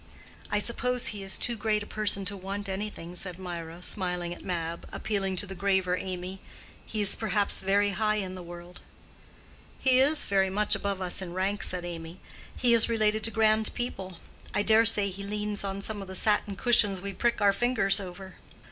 "I suppose he is too great a person to want anything," said Mirah, smiling at Mab, and appealing to the graver Amy. "He is perhaps very high in the world?" "He is very much above us in rank," said Amy. "He is related to grand people. I dare say he leans on some of the satin cushions we prick our fingers over."